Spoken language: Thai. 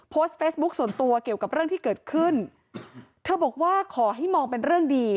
โพสต์เฟซบุ๊คส่วนตัวเกี่ยวกับเรื่องที่เกิดขึ้นเธอบอกว่าขอให้มองเป็นเรื่องดี